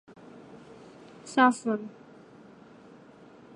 两个枕叶是人类脑颅皮质四对脑叶最小的一对。